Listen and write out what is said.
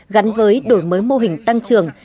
gắn với đổi mới mô hình tăng trường